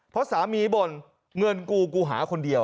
เพราะสามีบ่นเงินกูกูหาคนเดียว